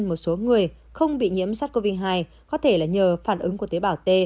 một số người không bị nhiễm sars cov hai có thể là nhờ phản ứng của tế bào t